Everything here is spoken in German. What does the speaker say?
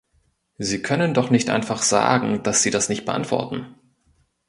Sie können doch nicht einfach sagen, dass Sie das nicht beantworten!